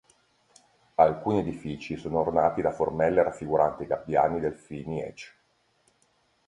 Alcuni edifici sono ornati da formelle raffiguranti gabbiani, delfini, ecc.